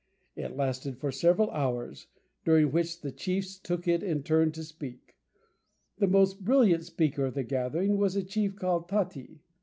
It lasted for several hours, during which the chiefs took it in turn to speak. The most brilliant speaker of the gathering was a chief called Tati.